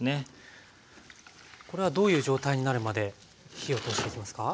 これはどういう状態になるまで火を通していきますか？